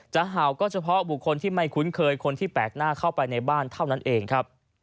เห่าก็เฉพาะบุคคลที่ไม่คุ้นเคยคนที่แปลกหน้าเข้าไปในบ้านเท่านั้นเองครับ